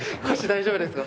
大丈夫。